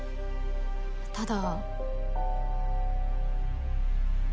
ただ。